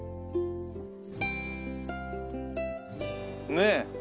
ねえ。